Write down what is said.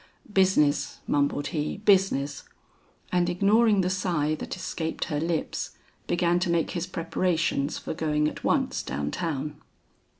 "Business," mumbled he, "business." And ignoring the sigh that escaped her lips, began to make his preparations for going at once down town.